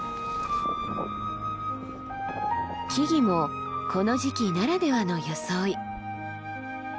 木々もこの時期ならではの装い。